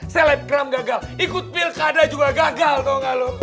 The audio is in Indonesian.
celebgram gagal ikut pilkada juga gagal tau gak lu